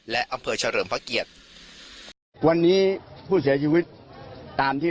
และอำเภอเฉลิมพระเกียรติวันนี้ผู้เสียชีวิตตามที่